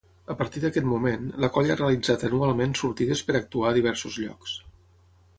A partir d'aquest moment, la colla ha realitzat anualment sortides per actuar a diversos llocs.